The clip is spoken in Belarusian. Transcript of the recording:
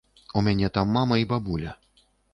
У мяне там мама і бабуля.